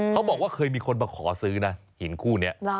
เขาบอกว่าเคยมีคนมาขอซื้อนะหินคู่นี้